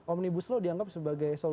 omnibus law dianggap sebagai solusi